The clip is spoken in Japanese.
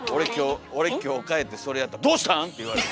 俺今日帰ってそれやったら「どうしたん⁉」って言われる。